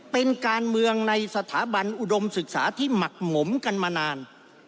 เป็นการเมืองในสถาบันอุดมศึกษาที่หมักหมมกันมานาน